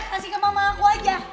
kasih ke mama aku aja